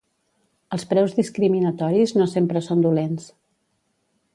Els preus discriminatoris no sempre són dolents.